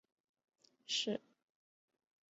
是帘蛤目鸟尾蛤科棘刺鸟蛤属的一种。